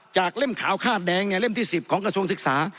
เล่มขาวคาดแดงเล่มที่๑๐ของกระทรวงศึกษา